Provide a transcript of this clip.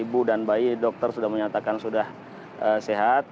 ibu dan bayi dokter sudah menyatakan sudah sehat